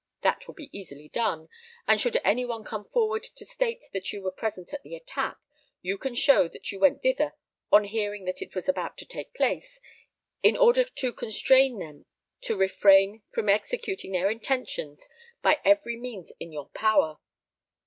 That will be easily done; and should any one come forward to state that you were present at the attack, you can show that you went thither on hearing that it was about to take place, in order to constrain them to refrain from executing their intentions by every means in your power."